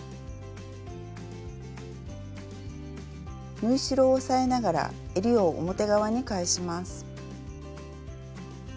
縫い代を押さえながらえりを表側に返します。